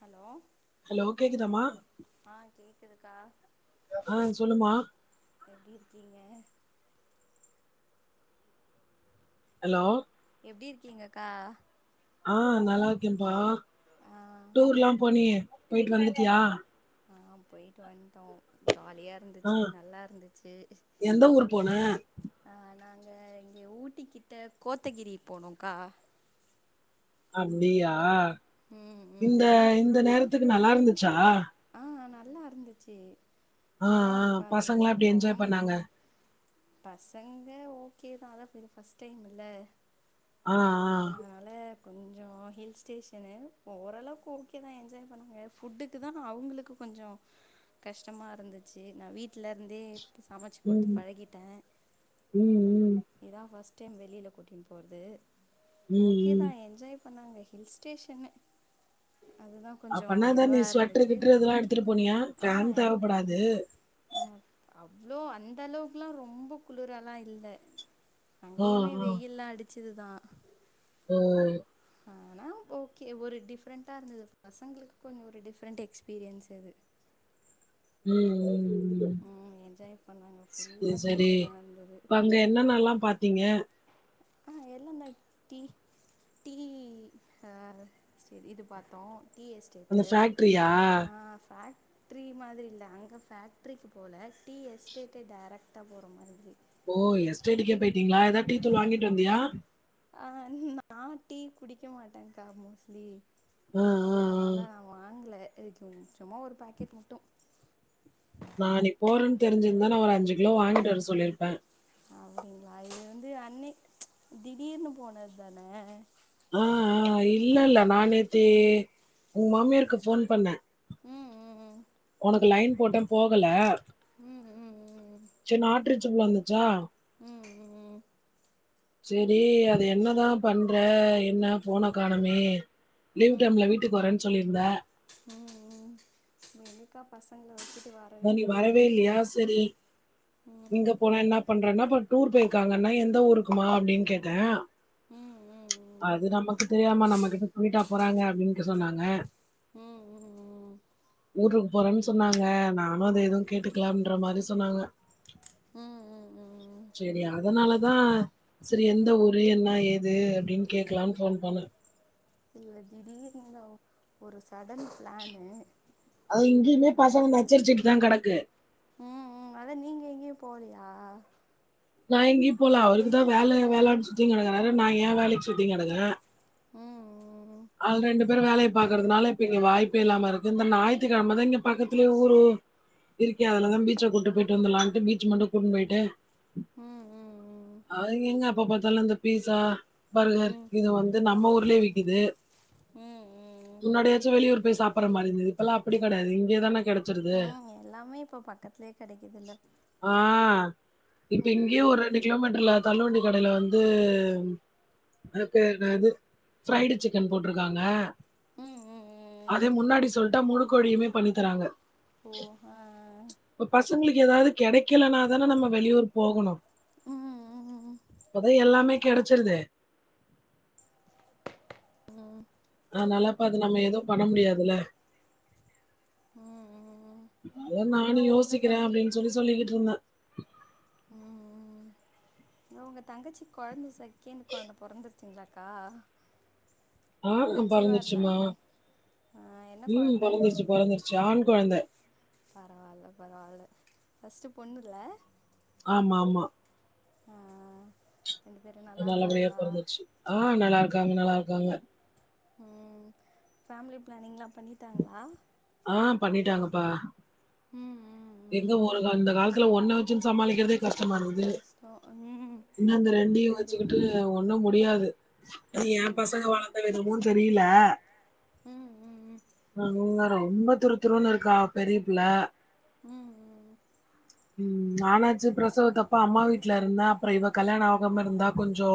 Hello hello கேக்குதாமா ஆ கேக்குதுக்கா ஆ சொல்லுமா எப்டி இருக்கீங்க ஹலோ எப்படி இருக்கீங்கக்கா ஆ நல்லா ருக்கேன்ப்பா ஆ டூர்ல்லா போனியே போயிட்டு வந்துட்டுயா ஆ போயிட்டு வண்டோ ஜாலியா இரு ஆ இருந்துச்சு நல்லாருந்துச்சு எந்த ஊர் போன ஆ நாங்க இங்க ஊட்டிக்கிட்ட கோத்தகிரி போனோக்கா அப்டியா ம் ம் இந்த ம் இந்த நேரத்துக்கு நல்லாருந்துச்சா ஆ நல்லா இருந்துச்சு ஆ அதா ஆ பாத்தே அது பசங்களாம் எப்படி ரொம் என்ஜாய் பண்ணாங்க பசங்க ஓகே தா அதா இது ஃபஸ்ட் டைம்ல ஆ ஆ கொஞ்ச ஹில் ஸ்டேஷன்னு ஒரளவுக்கு ஓகேதா என்ஜாய் பண்ணுங்க ஃபுட்டுக் குதா அவங்களுக்கு கொஞ்ச கஷ்டமா இருந்துச்சு நா வீட்ல இருந்தே சமைச்சு குடுத்து ம் பழகிட்டே ம் ம் இதுதா ஃபஸ்ட் டைம் வெளியில கூட்டிட்டு போறது ம் ஓகே தா ம் என்ஜாய் பண்ணாங்க ஹில் ஸ்டேஷன்னு அதுதா கொஞ்ச அப்பனா தான் இதுவா நீ ஸ்வெட்டர் இருந்துச்சு கிட்டர் இதெல்லாம் எடுத்துட்டு போனியா ஆ ஃபேன் எல் தேவைப்படாது ஆ அவ்வளோ அந்த அளவுக்குல்லா ரொம்ப குளிரால்லா இல்ல ஆ அங்கயுமே வெயில்லா அடிச்சதுதா ம் ஆனாலு ஓகே ஒரு டிஃப்ரெண்ட்டா இருந்தது பசங்களுக்கு கொஞ்ச ஒரு டிஃப்ரெண்ட் எக்ஸ்பீரியன்ஸ் அது ம் ம் ம் என்ஜாய் பண்ணாங்க சேரி ஃபுல்லா சேரி க்ரீனா இருந்தது இப்ப வந்து என்னனெல்லா பாத்தீங்க ஆ எல் ல் எம் டி டி அ சேரி இது பாத்தோ டி எஸ் அந்த டேட்டு ஃபேக்டரியா ஆம் ஃபேட் ட்ரி மாதிரி இல்ல அங்க ஃபேக்ட்ரிக்கு போல டி எஸ்டேட்டுக்கு டேரெக்ட்டா போற மாரி ஓ எஸ்டேட்டுக்கே போயிட்டீங்களா ஏதாவது டீ தூள் வாங்கிட்டு வந்தியா ஆ நான் டீ குடிக்க மாட்டே அக்கா மோஸ்லி ஆ அதனால வாங்கல இதுக்கு கொஞ்சமா ஒரு பாக்கெட் மட்டு நா நீ போறன்னு தெரிஞ்சிருந்தா நா ஒரு அஞ்சு கிலோ ஐயோ வாங்கிட்டு வர சொல்லிருப்பே அப்படிங்களா இது வந்து அன்னி திடீர்னு போனது தான ஆ ஆ இல்ல இல்ல நா நேத்து ம் உங்க மாமியாருக்கு போன் பண்ணே ம் ம் ம் ஒனக்கு லைன் போட்டே போகல ம் ம் ச்சு நாட் ரீச்சபுள் வந்துச்சா ம் ம் ம் சேரி அது என்னதா பண்ற என்ன போன காணமே ம் லீவ் டைம்ல ம் வீட்டுக்கு வரேன்னு சொல்லியிருந்த ம் ம் எங்கக்கா பசங்கள வச்சிட்டு வர அதா நீ வரவே இல்லையா சரி ம் நீங்க போனா என்ன பண்றேன்னா இப்ப டூர் போயிருக்காங்கன்னா எந்த ஊருக்குமா அப்படின்னு கேட்டே ம் ம் ம் அது நமக்கு தெரியாம நம்ம கிட்ட கூடியிட்டா போறாங்க அப்படின்னு சொன்னாங்க ம் ம் ம் ஊருக்கு போறேன்னு சொன்னாங்க நானு அதை எதுவு கேட்டுக்கலாம்ன்ற மாரி சொன்னாங்க ம் ம் ம் சேரி அதனாலதா செரி எந்த ஒரு ஊரு என்ன ஏது அப்படின் கேக்கலான் போன் பண்ணே இல்ல திடீர்னு தா ஒரு சடன் ப்ளானு அது இங்கையுமே பசங்க நச்சரிச்சுட்டுதா கெடக்கு ம் ம் அதா நீங்க எங்கயு போலயா நா எங்கேயு போல அவருக்குதா வேல வேலன்னு சுத்தி கெடக்குறாரு நா ஏ வேலைக்கு சுத்தினு கெடக்குறே ம் ம் அல் ரெண்டு பேரு வேலைய பாக்குறதுனால இப்ப இங்க வாய்ப்பே இல்லாம இருக்கு இந்த ஞாயித்திக்கெழமதா இங்க பக்கத்துலே ஊரு விரிக்கா அதுல பீச்ச கூட்டு போய்ட்டு வந்துரலான்ட்டு பீச் மட்டு கூட்டுனு போய்ட்டு ம் ம் ம் அவிங்க எங்க அப்ப பாத்தாலு இந்த ஃபீசா பர்கர் ம் இது வந்து நம்ம ஊர்லே விக்குது ம் ம் ம் முன்னாடியாச்சி வெளியூர் போய் சாப்பிட்ற மாரி இருந்துது இப்பல்லா அப்டி கெடயாது இங்கே தான கெடச்சிருது ம் எல்லாமே இப்ப பக்கத்துலே கெடைக்குதுல்ல ஆ இப்ப ம் இங்யோ ஒரு ரெண்டு கிலோ மீட்டர்ல தள்ளுவண்டி கடையில வந்து அது பேரு‌ நெது ஃப்ரைடு சிக்கன் போட்ருக்காங்க ம் ம் ம் அதே முன்னாடி சொல்டா முழு கொழியுமே பண்ணி தராங்க ஓ ஆ இப்ப பசங்களுக்கு ஏதாது கெடைக்கலனாதான நம்ம வெளியூர் போகணு ம் ம் ம் இப்பதா எல்லாமே கெடச்சிருதே ம் அனலா அப்ப அது நம்ம எதுவு பண்ண முடியாதுல ம் ம் ம் அதா நானு யோசிக்கிறே அப்டின் சொல்லி சொல்லிகிட்டு இருந்தே உ உங்க தங்கச்சி கொழந்த செகன்ட் கொழந்த பொறந்துருச்சிங்ளா அக்கா ஆ பெறந்துருச்சுமா‌‌ இருந்தாங்களே ஆ என்ன ம் கொழந்த பொறந்துருச்சு பொறந்துருச்சு ஆண் கொழந்த பரவால்ல பரவால்ல ஃபஸ்ட்டு பொண்ணுல்ல ஆமா ஆமா ஆ ரெண்டு பேரு நல்லா நல்லபடியா இருக்காங்ளா பொறந்துருச்சு. ஆ நல்லா இருக்காங்க நல்லா இருக்காங்க ம் ஃபேமிலி ப்ளானிங்ளா பண்ணிட்டாங்ளா ஆ பண்ணிட்டாங்கப்பா ம் ம் இந்த ம் ஒரு க அந்த காலத்துல ஒன்ன வச்சுன் சமாளிக்கிறதே கஷ்டமா இருக்குது கஷ்டம் ம் இந்த அந்த ரெண்டு ரெண்டையு பேரு வச்சுகிட்டு த ஒன்னு முடியாது ஏ ம் பசங்க ம் வளந்த விதமோ தெரியல ம் ம் இங்க ரொ ரொம்ப துறு துறுனு இருக்கா பெரிய புள்ள ம் ம் நானாச்சு பிரசவத்தப்போ அம்மா வீட்ல இருந்தே அப்றோ இவ கல்யாணோ ஆகாம இருந்தா கொஞ்சோ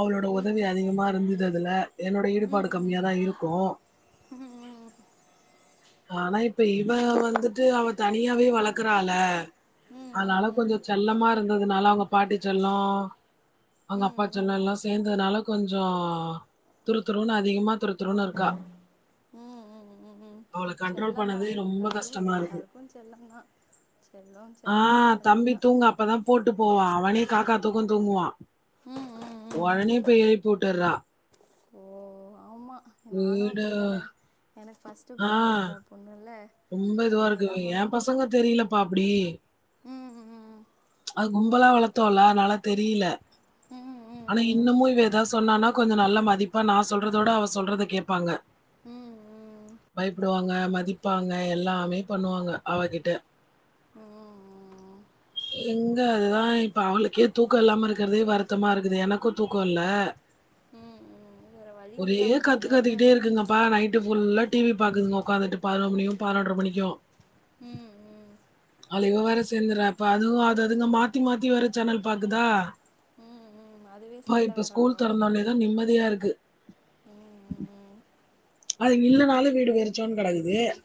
அவளோட உதவி அதிகமா இருந்தது அதுல என்னோட ஈடுபாடு கம்மியாதா இருக்கு ஆனா இப்ப இவ வந்துட்டு அவ தனியாவே வளக்குறால ம் ம் ம் அனால ம் கொஞ்சோ செல்லமா இருந்ததுனால அவுங்க பாட்டி செல்லோ அங்க அப்பா செல்லாோ எல்லா சேந்ததுனால கொஞ்சோ துருதுருன்னு அதிகமா துருதுருன்னு இருக்கா ம் ம் ம் ம் அவள கண்ட்ரோல் செல்லம் பண்ணது தான் ரொம்ப எல்லாரும் கஷ்டமா இருக்கு எல்லாருக்கும் செல்லம் தான் செல்லம் ஆ செல்லம் செல்லம் தம்பி தான் தூங்க அப்பதா போட்டு போவா அவனே காக்கா தூக்கம் தூங்குவா ம் ம் ம் உடனே போய் ஏழுப்பிவுட்டுறா சும்மா நானு வீடு அப்படிதான எனக்கு ஃபர்ஸ்ட் ஆ பைய ரெண்டாவது பொண்ணு இல்ல அதேதா பண்ணா பாப்டி அத கும்பலா வளத்தோல அத நால தெரியல ம் ம் ஆனா இன்னமு இவ எதாவது சொன்னா கொஞ்சோ நல்லா மதிப்பா நா சொல்றதோட அவ சொல்றத கேப்பாங்க ம் பயபடுவாங்க மதிப்பாங்க எல்லாமே பண்ணுவாங்க அவகிட்ட ம் எங்க ஆ இப்ப அவளுக்கே தூக்கம் இல்லாம இருக்கிறதே வருத்தமா இருக்குது எனக்கு தூக்கம் இல்ல ம் ம் வேற வழி இல்ல ஒரே அவங்க கத்து வளர்ற கத்திக்கிட்டே வ இருக்குக பா நைட்டு புல்லா டிவி பாக்குதுங்கோ உக்காந்துட்டு பதினோர் மணிக்கோ பதினொன்ர மணிக்கோ ம் ம் அது இவவேர சேந்துரா இப்ப அதுவு அது அதுங்க மாத்தி மாத்தி வேற சேனல் பாக்குதா ம் ம் அதுவே பா சண்ட இப்ப வேற ஸ்கூல் வரு தொறந்தோன்னேதா நிம்மதியா இருக்கு ம் ம் ம் அதுங்க இல்லனாலோ வீடு வெரிச்சோன் கெடக்குது சரி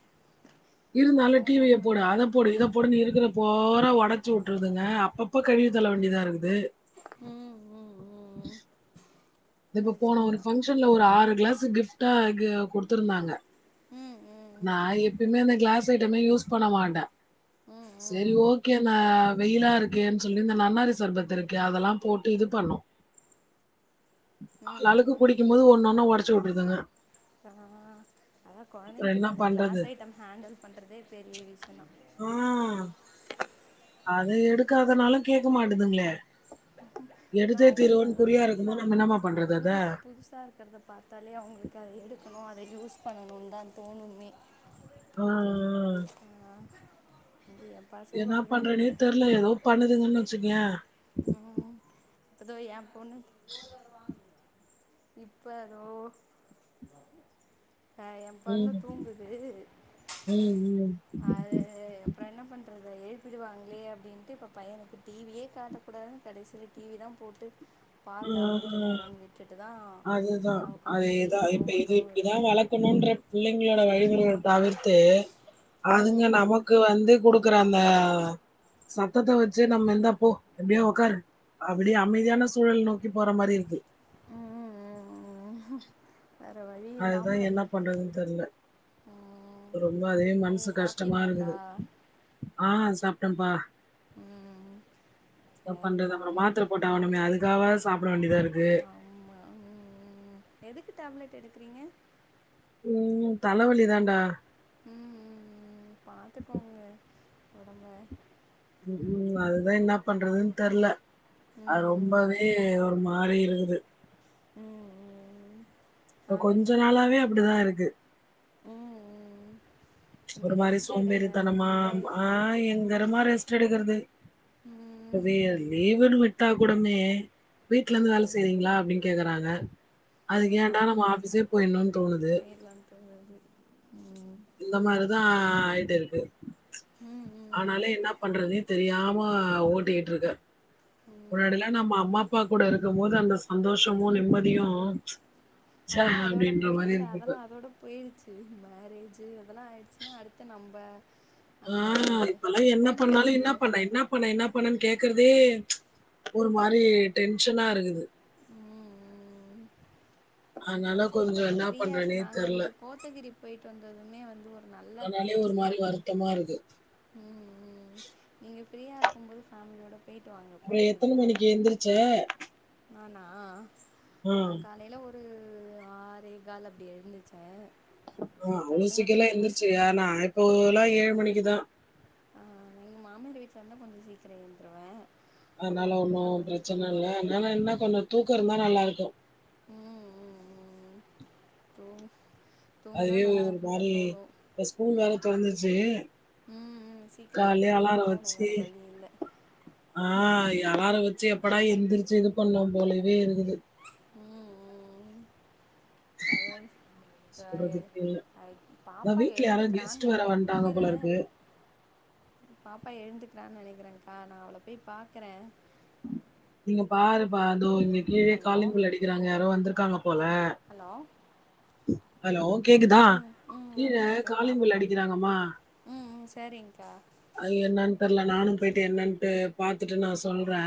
இருந்தாலு டி விய பசங்கனாலே போடு இப்டிதான அத போடு இத போடுனு இருக்கிறப்போறா ஒடச்சு உட்றுதுங்க அப்பப்போ கழுவி தல்ல வேண்டியதா இருக்குது ம் ம் ம் தோ இப்ப போனோ ஒரு கஷ்டந்தா பஃங்க்ஷன்ல ஒரு ஆறு கிளாஸ் கிஃப்டா கு குடுத்துருந்தாங்க ம் ம் நா எப்பிமே அந்த கிளாஸ் ஐட்டமே யூஸ் பண்ண மாட்ட ம் செரி ம் ஓக்கே ந வெயிலா இருக்கேன் சொல்லி இந்த நன்னாரி சர்பத்து இருக்கே அதலா போட்டு இது பண்ணோ ம் ஆளாளுக்கு ம் குடிக்கும் போது ஒன்னொண்ணோ ஒடச்சு உட்ருதுங்க ஆ அதா கொழந்தைங் அப்புறம் கிட்ட என்ன அந்த பண்றது? கிளாஸ் ஐட்டம் ஹேண்டில் பண்றதே பெரிய விஷயந்தா ஆ அத எடுக்காதனாலு கேக்க மாட்டுதுங்ளே ஆனா எடுத்தே அவங்களுக்கு தீருவன் அதெல்லா குறியா புதுசா இருக்குமோ நம்ம இருக்கு இன்னாமா பண்றது அத புதுசு புதுசா இருக்கிறத பாத்தாலே அவுங்ளுக்கு அத எடுக்கணோ அத யூஸ் பண்ணணுந்தா தோணுமே ஆ ஆ [unintelligible] இங்கியப் என்னா பண்றேனே தெர்ல ஏதோ பண்ணதுங்கன் வெச்சுக்குயே ம் இப்ப தோ எ பொண்ணு இப்ப தோ ஆ எ பொண்ணு ம். தூங்குது ம். ம். அத அப்றோ என்ன பண்றது எழுப்பிடுவாங்ளே அப்டின்ட்டு இப்போ பையனுக்கு டி வியே காட்டக்கூடாதுனு கடைசில டி வி தா போட்டு ஆ. பாருடா கொஞ்சோ நேரன் விட்டுட்டு தா அதுதான். அவ கொஞ்ச ஃப்ரீயா தூங்கட்டோ விட்ரு ப்ப என்னன்ற புள்ளைங்ளோட வழிமுறைகள தவிர்த்து அதுங்க ம், ம், நமக் க்கு வந்து குடுக்குறாங்க சத்தத்த வச்சே நம்ம இந்தா போ அப்டியே உக்காரு அப்டி அமைதியான சூ சூழல் நோக்கி போற மாரி இருக்கு வேற வழி அதுதா இல்லாமல் என்ன பண்றதுன்னு தெர்ல ரொம்போ அதே மனசு நீங்கள் கஷ்டமா சாப்பிட்டீங்களாக்கா இருக்குது ஆ சாப்டப்பா ம் இத பண்றது சரிக்கா அப்றோ அம்மா மாத்ர போட்டாவுனமே அதுக்காவா சாப்ட வேண்டியதா இருக்கு ம் ஆ வு எதுக்கு டேப்லெட் எடுக்கிறீங்க ம் தலவலி தான்டா ம் ம் ம் பாத்துக்கோங்க ஒடம்ப க்கு ம் அதுதா என்னா பண்றதுன்னு தெர்ல அ ம் ரொம்பவே அதே ஒரு மாரி இருக்குது ம் ம் ம் இப்ப கொஞ்சோ நாளாவே அப்டிதா இருக்கு ம் ம் ஒரு கொஞ்சம் மாரி ரெஸ்ட் எடுங்க சோம்பேறித்தனமா ரொம்ப ஆ எங்கரமா ரெஸ்ட் எடுக்கறது ம் அப்பவே லீவுனு விட்டா கூடமே வீட்ல இருந்து வேல ம் செய்றீங்ளா அப்டி கேக்கறாங்க ம் அதுக்கு ஏண்டா நம்மோ ஆஃபிஸே போயிண்ணுன் தோணுது [unintelligible] ம்ம்ம் இந்த மாரிதா ஆயிட்டு இருக்கு ம் ஆனாலே இன்னா பண்றதுனே தெரியாம ஓட்டிகிட்ருக்க ம் முன்னாடி யெல்லா ம் நம்ம அம்மா அப்பா கூட இருக்கு போது அந்த சந்தோஷமு நிம்மதியு அதெல்லா அதோட போய்டு இல்ல அதெல்லா அதோடு பேயிருச்சு மேரேஜு அதெல்லா ஆயிடுச்சுனா அடுத்து நம்ப ஆ இப்பல்லா என்ன பண்ணாலு என்னா பண்ண என்னா இப்ப நா என்னா பண்ணனு கேக்றதே ஒரு மாரி டென்ஷனா இருக்குது ம் ம் அ அதனால சரி கொஞ்சம் கொஞ்ச என்ன ஃப்ரீயாருப்ப பண்றதுன்னே நாங்க தெர்ல. இந்த கோத்தகிரி போயிட்டு வந்ததுமே வந்து ஒரு நல்ல ப்ளேஸ் தா தமாருக்கு ம் ம் நீங்க ஃப்ரீயா இருக்கு போது ஃபேமிலியோட போயிட்டு வாங்க அப்புறம் எத்தன கோத்தகிரினாலு மணிக்கு எந்திரிச்ச? நானா ஆ காலேல ஒரு து ஆரேகால் அப்டி எழுந்துச்சே ஆமா அவ்ளோ சீக்கெல்லா எளுந்திருச்சு ஏன்னா இப்போல்லா ஏழு மணிக்கு தா மாமி வீட்ல இருந்தா கொஞ்ச சீக்கிர எழுந்துருவே அம்மா வீடுன்னா கொஞ்ச தூங்குவே ஆனா என்ன கொஞ்ச தூக்கோ இருந்தா நல்லாருக்கு ம் ம் ம் ம் தூங் தூங்குனா அதுவே நல்லா ஒரு இருக்கு தா மாரி தோணு இப்ப ஸ்கூல் வேற தொறந்துருச்சு ம் ம் சீக்கிர காலையிலயே எழுந்தே அலாரம் ஆவுணு வச்சு வேற வழி இல்ல ஆ அலாரம் வச்சு எப்படா எந்திரிச்சு இது பண்ணு போலவே இருக்குது ம் ம் அதாவது சொல்றதுக்கு இல்ல ஓ பாப்பா வீட்ல யாராது கெஸ்ட் எழுந்துக்கிறான்னு வேற வன்டாங்க நினைக்கிறேன் போலருக்கு பாப்பா எழுந்துக்கிறானு நெனக்கிறே காநோ நா அவள போய் பாக்றே நீங்க பாரு பா தோ இங்க கீழே ஹலோ காலிங் பெல் அடிக்கிறாங்க யாரோ வந்திருக்காங்க போல ஹலோ ஹலோ கேக்குதா ம் ம் கீழ அதான் நான் போய் காலிங் பாப்பா பெல் பார்க்க அடிக்கிறாங்கம்மா ம் ம் செரிங்கா அது என்ன தெர்ல நானு போயிட்டு என்னட்டு பாத்துட்டு நா சொல்ற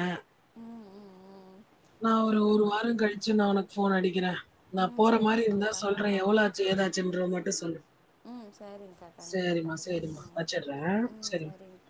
ம் ம் ம் நா ஒரு நீங்களும் ஒரு பார்த்து வாரோ கழிச்சு நா ஒனக்கு ஃபோன் அடிக்கிற நா ம் போற மாரி இருந்தா சரிங்கக்கா சொல்ற எவ்ளோ பார்த்து ஆச்சு ஏதாச்சுன்ற மட்டு சொல்லு ம் சரிங்கக்கா கண்டிப்பாக சரிமா கண்டிப்பாக சரிமா ம் வச்சுட்ற ம் சரிமா சரிங்க